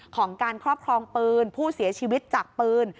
ของการครอบครองปืนผู้เสียชีวิตจากปืน